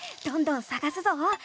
どんどんさがすぞ！